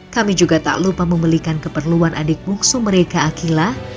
kami juga tak lupa membelikan keperluan adik bungsu mereka akila